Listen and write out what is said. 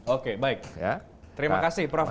oke baik ya terima kasih prof